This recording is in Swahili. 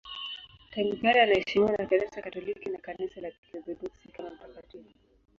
Tangu kale anaheshimiwa na Kanisa Katoliki na Kanisa la Kiorthodoksi kama mtakatifu.